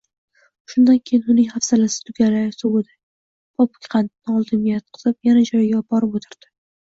Shundan keyin uning hafsalasi tugalay sovidi, popukqandni oldimga itqitib, yana joyiga borib o‘tirdi